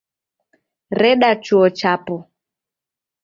Reda chuo chapo.